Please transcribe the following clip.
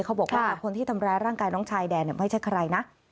เขาบอกว่าคนที่ทำร้ายร่างกายน้องชายแดนไม่ใช่ใครนะ